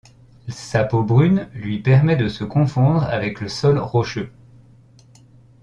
Sa peau brune lui permet de se confondre avec le sol rocheux.